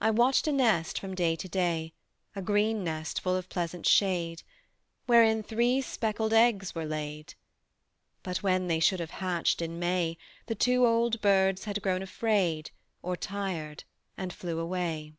I watched a nest from day to day, A green nest full of pleasant shade, Wherein three speckled eggs were laid: But when they should have hatched in May, The two old birds had grown afraid Or tired, and flew away.